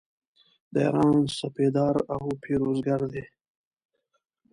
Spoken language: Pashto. د ایران سپهدار او پیروزګر دی.